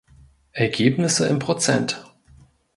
Ergebnisse in Prozent.